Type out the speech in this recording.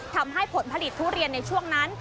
ทำให้ผลผลิตทุเรียนในช่วงนั้น